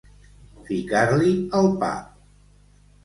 Ficar-li al pap.